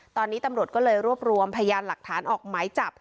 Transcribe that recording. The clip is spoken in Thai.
ตอนนี้ตำรวจก็เลยรวบรวมพยานหลักฐานออกหมายจับ